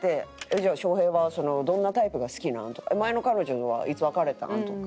「じゃあショウヘイはどんなタイプが好きなん？」とか「前の彼女はいつ別れたん？」とか。